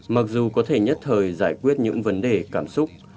mặc dù có thể nhất thời giải quyết những vấn đề cảm xúc